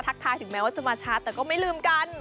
ทายถึงแม้ว่าจะมาช้าแต่ก็ไม่ลืมกัน